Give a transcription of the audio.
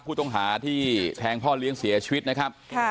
ผู้ต้องหาที่แทงพ่อเลี้ยงเสียชีวิตนะครับ